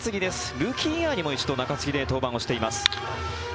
ルーキーイヤーも一度中継ぎで登板しています。